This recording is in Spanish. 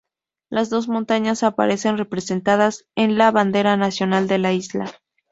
Las dos montañas aparecen representadas en la bandera nacional de la isla.